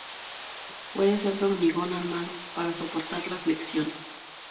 Puede ser de hormigón armado, para soportar la flexión.